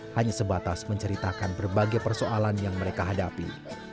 hanya sebatas menceritakan berbagai persoalan yang mereka hadapi